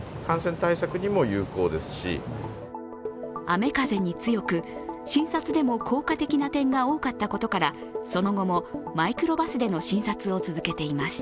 雨・風に強く、診察でも効果的な点が多かったことからその後もマイクロバスでの診察を続けています。